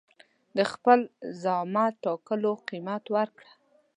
د خپل زعامت ټاکلو قيمت ورکړو.